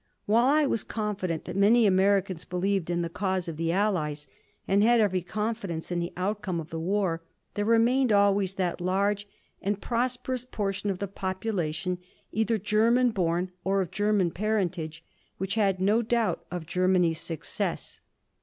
While I was confident that many Americans believed in the cause of the Allies, and had every confidence in the outcome of the war, there remained always that large and prosperous portion of the population, either German born or of German parentage, which had no doubt of Germany's success.